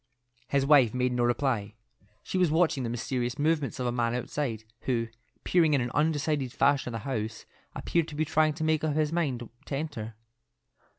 His wife made no reply. She was watching the mysterious movements of a man outside, who, peering in an undecided fashion at the house, appeared to be trying to make up his mind to enter.